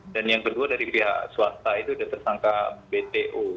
dan yang kedua dari pihak swasta itu tersangka bto